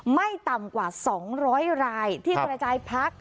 ไม่ต่ำกว่า๒๐๐รายที่กระจายพัก